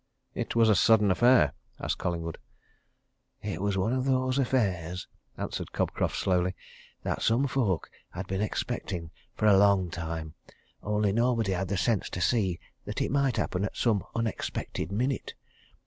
"It was a sudden affair?" asked Collingwood. "It was one of those affairs," answered Cobcroft slowly, "that some folk had been expecting for a long time only nobody had the sense to see that it might happen at some unexpected minute.